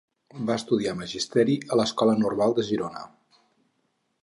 Va estudiar magisteri a l'Escola Normal de Girona.